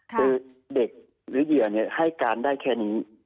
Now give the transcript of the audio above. คือเด็กหรือเหยื่อให้การได้แค่นี้